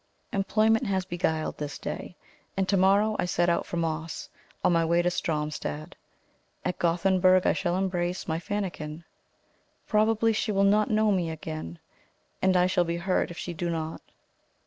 Employment has beguiled this day, and to morrow I set out for Moss, on my way to Stromstad. At Gothenburg I shall embrace my Fannikin; probably she will not know me again and I shall be hurt if she do not.